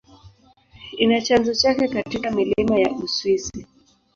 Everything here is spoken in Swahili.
Ina chanzo chake katika milima ya Uswisi.